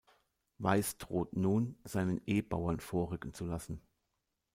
Weiß droht nun, seinen e-Bauern vorrücken zu lassen.